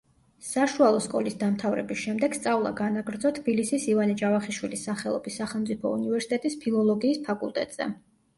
საშუალო სკოლის დამთავრების შემდეგ სწავლა განაგრძო თბილისის ივანე ჯავახიშვილის სახელობის სახელმწიფო უნივერსიტეტის ფილოლოგიის ფაკულტეტზე.